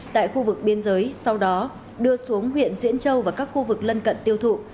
tại khu vực biên giới sau đó đưa xuống huyện diễn châu và các khu vực lân cận tiêu thụ